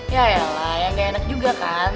ya ya lah yang gak enak juga kan